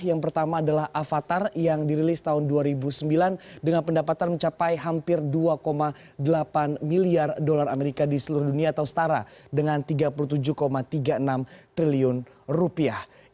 yang pertama adalah avatar yang dirilis tahun dua ribu sembilan dengan pendapatan mencapai hampir dua delapan miliar dolar amerika di seluruh dunia atau setara dengan tiga puluh tujuh tiga puluh enam triliun rupiah